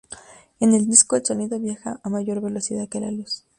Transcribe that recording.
En el Disco, el sonido viaja a mayor velocidad que la luz.